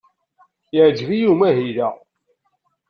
Yeɛjeb-iyi umahil-a.